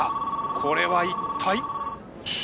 これは一体！？